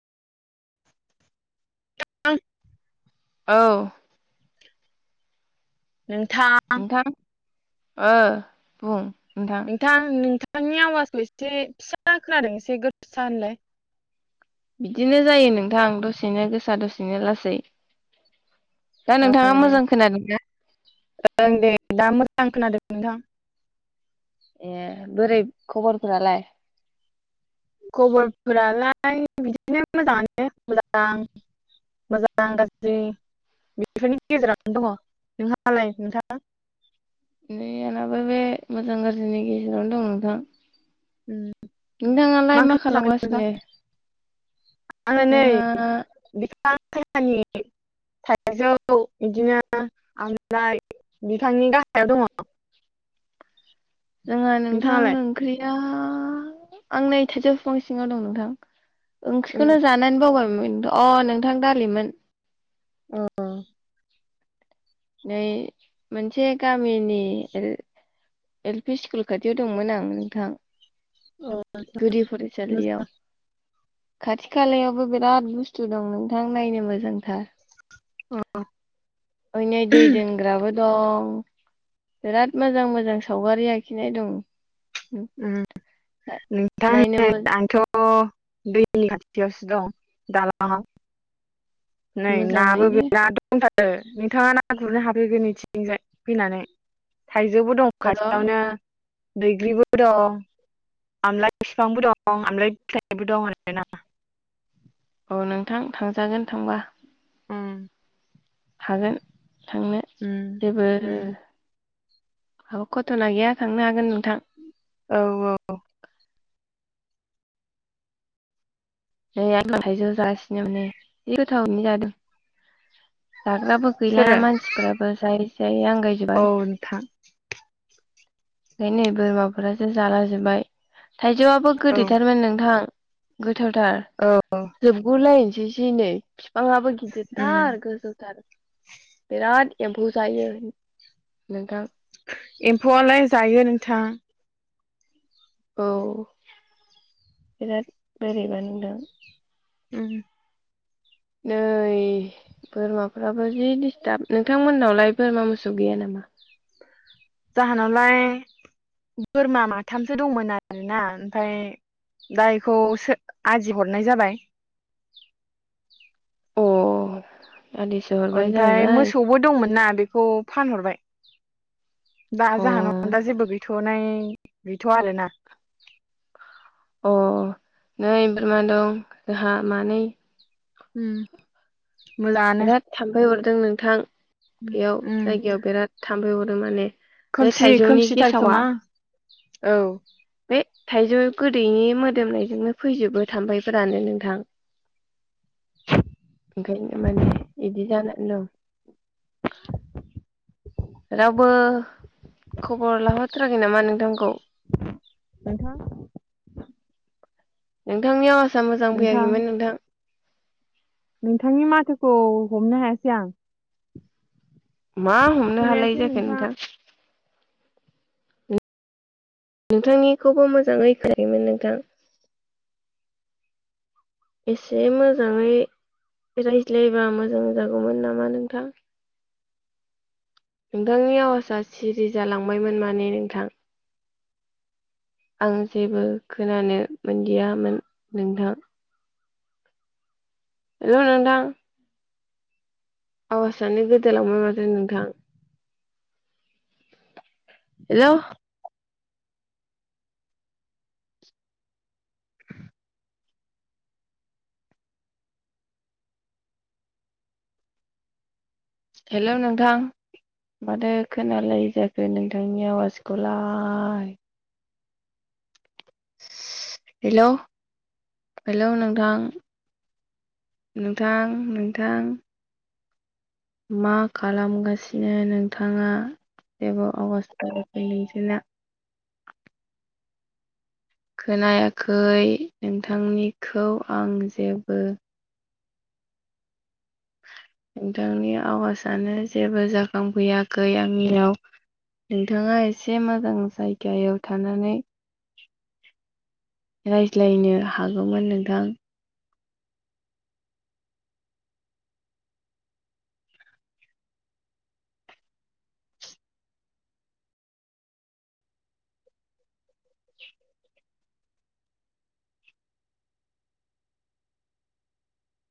[unintelligible] औ नोंथां ओ बुं नोंथां नोंथां आंनि आवाजखौ एसे फिसा खोनादों एसे गोसा होनलाय बिदिनो जायो नोंथां दसेनो गोसा दसेनो लासै दा नोंथाङा औ दे। मोजां खोनादोंना ओं दे दा मोजां खोनादों नोंथां ए बोरै खबरफोरालाय खबरफोरालाय बिदिनो मोजाङानो मोजां मोजां गाज्रि बेफोरनि गेजेरावनो दङ नोंहालाय नोंथाङा नै आंनाबो बे मोजां गाज्रिनि गेजेरावनो दं नोंथां उम नोंथांङालाय मा खालामगासिनो आंङो नै जोंहा बिफां सायहानि थाइजौ इदिनो आमलाइ बिफांनि गाहायाव दङ जोंहा नोंथां नोंथाङालाय? ओंख्रिया आं नै थाइजौ बिफां सिङाव दं नोंथां। उम, ओंख्रिखौनो जानानै बावबाय। अ नोंथां दालिमोन। औ। नै मोनसे गामिनि एल एल-पि स्कुल खाथियाव दंमोन आं नोंथां। अ गुदि फरायसालियाव। मोजां खाथि खालायावबो बिराद बुस्थु दं नोंथां नायनो मोजांथार। अ। [unintelligible] दै दोनग्राबो दं बिराद मोजां मोजां सावगारि आखिनाय दं। उम नोंथां नायनो [inaudible] आंथ' दैनि खाथियावसो दं दालाङाव। नै नाबो मोजाङैनो बिराद दंथार [inaudible] नोंथाङा ना गुरनो हाफैगोन [unintelligible] थिंजाय फैनानै। थाइजौबो दं र' खाथियावनो। बैग्रिबो दं आमलाय बिफांबो दं आमलाय फिथाइबो दं आरोना। औ नोंथां थांजागोन थांबा। उम हागोन। थांनो उम जेबो उम माबो खथ'ना गैया थांनो हागोन। नोंथां औ औ। [unintelligible] जाग्राबो गैला सोरो मानसिफोराबो जायै जायै औ आंगायजोबबाय। नोंथां [unintelligible] बोरमाफोरासो जाला जोब्बाय। थाइजौआबो औ गोदैथारमोन नोंथां। गो थावथार औ जोबगु लाय जि जिनै बिफाङाबो उम थार गोजौथार बिराद। एम्फौ जायो नोंथां। एम्फौआलाय जायो नोंथां। औ बिराद बोरैबा नांदों। उम। नै बोरमाफ्राबो जि दिडिस्टाब नोंथांमोननावलाय बोरमा मोसौ गैया नामा? जाहोनावलाय बोरमा माथामसो दंमोन आरोना। ओमफाय दा बेखौ आजि हरनाय जाबाय। अ आदिसो हरबाय अन्थाइ जाहैबाय मोसौबो दंमोन ना बेखौ फानहरबाय। दा अ जाहानाव दा जेबो गैथ' नाय गैथ'या आरोना अ नै बोरमा दं जोंहा मानै उम मोजाङानो बिराद थामफै अर दों नोंथां बेयाव उम जायगायाव बिराद थामफै अरो माने बे खोमसि थाइजौनि गेसावा खोमसिथारखोमा? औ ए थाइजौ गोदैनि मोदोमनायजोंनो फैजोबो थामफैफोरानो नोंथां ओंखायनो माने इदि जानानै दं रावबो खबर लाहर थाराखै नामा नोंथांखौ? नोंथां नोंथांंनि आवाज सा मोजां नोंथां फैयाखैमोन नोंथां नोंथांनि माथोखौ हमनो हायासै आं मा हमनो हालायै जाखो नोंथां नोंथांनिखौबो मोजाङै खोनायाखैमोन नोंथां एसे मोजाङै रायज्लायबा मोजां जागौमोन नामा नोंथां नोंथांनि आवाजआ सिरि जालांबायमोन माने नोंथां आं जेबो खोनानो मोनदियामोन नोंथां हेलौ नोंथां आवासानो गोदो लांबाय माथो नोंथां हेलौ हेलौ नोंथां माथो खोनालायै जाखो नोंथांनि आवाजखौलाय हेलौ हेलौ नोंथां नोंथां नोंथां मा खालामगासिनो नोंथाङा जेबो आवास्था फैयाखै नोंसोरना खोनायाखै नोंथांनिखौ आं जेबो नोंथांनि आवाजानो जेबो जाखांफैयाखै आंनियाव नोंथाङा एसे मोजां जायगायाव थानानै रायज्लायनो हागौमोन नोंथां